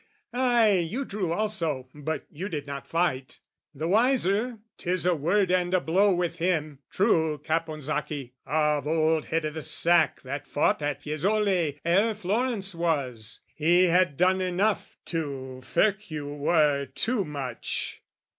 "Ay, you drew also, but you did not fight! "The wiser, 'tis a word and a blow with him, "True Caponsacchi, of old Head i' the Sack "That fought at Fiesole ere Florence was: "He had done enough, to firk you were too much.